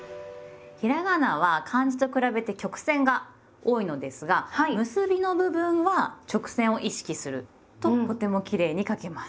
ひらがなは漢字と比べて曲線が多いのですが結びの部分は直線を意識するととてもきれいに書けます。